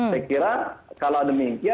saya kira kalau demikian